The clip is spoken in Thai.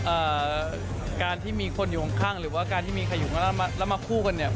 อ่าการที่มีคนอยู่ข้างหรือว่าการที่มีขยุงแล้วมาคู่กันเนี่ย